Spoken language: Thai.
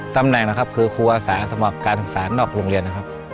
ตำแหน่งนะครับคือครูอาสาสมัครการศึกษานอกโรงเรียนนะครับ